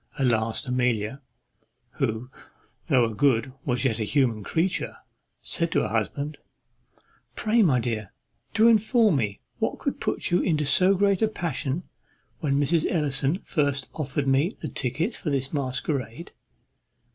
At last Amelia, who, though a good, was yet a human creatures said to her husband, "Pray, my dear, do inform me what could put you into so great a passion when Mrs. Ellison first offered me the tickets for this masquerade?"